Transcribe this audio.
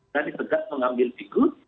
jadi tegak mengambil figur